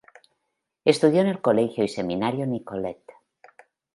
Estudió en el "Colegio y Seminario Nicolet".